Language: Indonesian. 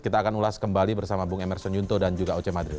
kita akan ulas kembali bersama bung emerson yunto dan juga oce madrid